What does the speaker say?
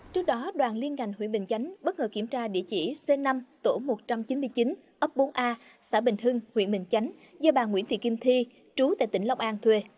trước đó đoàn liên ngành huyện bình chánh bất ngờ kiểm tra địa chỉ c năm tổ một trăm chín mươi chín ấp bốn a xã bình hưng huyện bình chánh do bà nguyễn thị kim thi chú tại tỉnh long an thuê